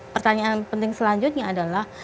pertanyaan penting selanjutnya adalah